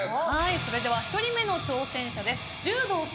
それでは１人目の挑戦者です。